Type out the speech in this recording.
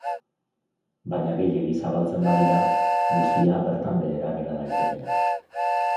Baina gehiegi zabaltzen badira, guztia bertan behera gera daiteke.